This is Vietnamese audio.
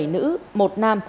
bảy nữ một nam